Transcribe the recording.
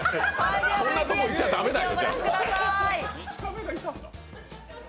そんなとこいちゃ駄目だよ。